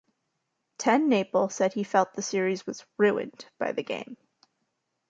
TenNapel said he felt the series was "ruined" by the game.